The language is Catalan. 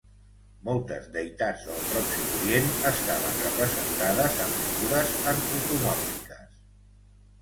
Moltes deïtats del Pròxim Orient estaven representades en figures antropomòrfiques.